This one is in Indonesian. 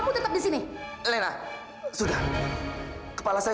mama semua taki